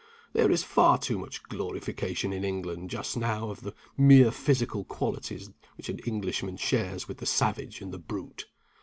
There is far too much glorification in England, just now, of the mere physical qualities which an Englishman shares with the savage and the brute.